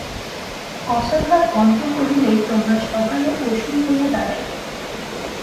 কশাঘাত বন্ধ করিলেই তোমরা সকলে অসুর হইয়া দাঁড়াইবে।